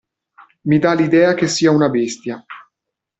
Mi dà l'idea che sia una bestia.